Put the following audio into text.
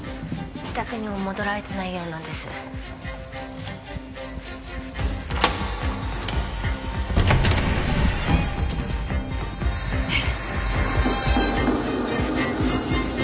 自宅にも戻られてないようなんですえっ！？